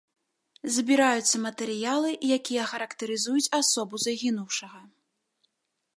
Збіраюцца матэрыялы, якія характарызуюць асобу загінуўшага.